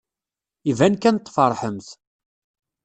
Iban kan tfeṛḥemt.